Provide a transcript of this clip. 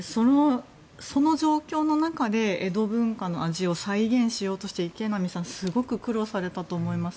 その状況の中で江戸文化の味を再現しようとした池波さんはすごく苦労されたと思います。